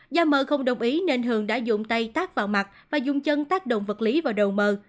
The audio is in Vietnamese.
gia m h không đồng ý nên h đã dùng tay tác vào mặt và dùng chân tác động vật lý vào đầu m h